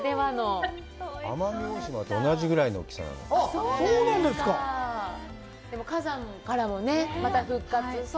奄美大島と同じぐらいの大きさなんだって。